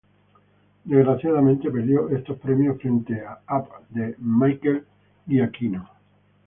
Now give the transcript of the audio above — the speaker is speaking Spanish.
Desgraciadamente perdió estos premios frente a "Up", de Michael Giacchino.